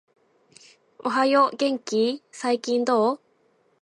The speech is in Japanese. おはよう、元気ー？、最近どう？？